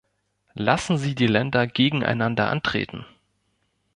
Lassen Sie die Länder gegeneinander antreten.